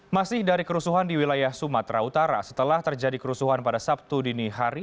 masih dari kerusuhan di wilayah sumatera utara setelah terjadi kerusuhan pada sabtu dini hari